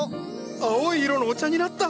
青い色のお茶になった！